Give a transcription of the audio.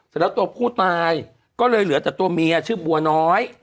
แล้วตัวผู้ตายก็เลยเหลือแต่ตัวเมียชื่อบัวน้อย